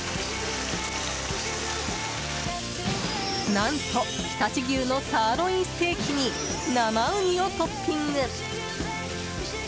何と、常陸牛のサーロインステーキに生ウニをトッピング。